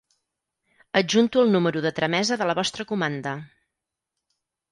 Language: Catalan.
Adjunto el número de tramesa de la vostra comanda.